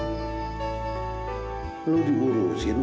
kamu udah dihukusin